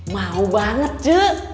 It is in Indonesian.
mau banget ce